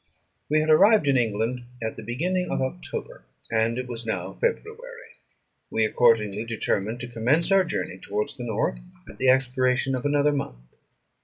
We had arrived in England at the beginning of October, and it was now February. We accordingly determined to commence our journey towards the north at the expiration of another month.